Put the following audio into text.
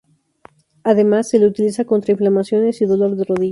Además, se le utiliza contra inflamaciones y dolor de rodillas.